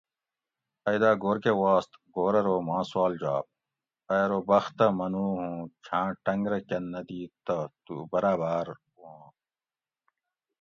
ائ دا گھور کہ واست گھور ارو ماں سوال جواب؟ ائ ارو بختہ منو ھوں چھاں ٹنگ رہ کن دیت تہ تو برابار وواں